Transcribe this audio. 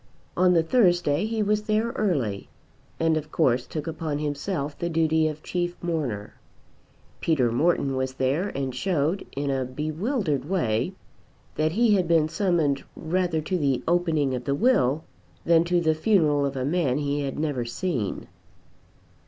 On the Thursday he was there early, and of course took upon himself the duty of chief mourner. Peter Morton was there and showed, in a bewildered way, that he had been summoned rather to the opening of the will than to the funeral of a man he had never seen.